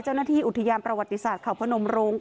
เจ้าหน้าที่อุทยานประวัติศาสตร์เขาพนมรุ้ง